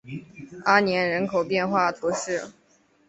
阿年人口变化图示